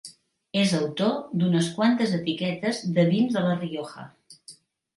És autor d'unes quantes etiquetes de vins de La Rioja.